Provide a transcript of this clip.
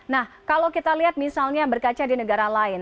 nah kalau kita lihat misalnya berkaca di negara lain